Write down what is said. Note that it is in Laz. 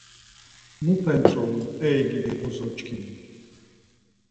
Mupe ntzorum, ey gidi bozo çkimi!